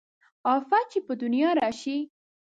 افت چې په دنيا راشي